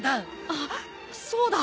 あっそうだ！